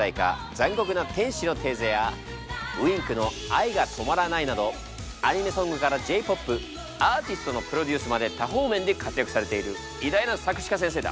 「残酷な天使のテーゼ」やＷｉｎｋの「愛が止まらない」などアニメソングからＪ−ＰＯＰアーティストのプロデュースまで多方面で活躍されている偉大な作詞家先生だ。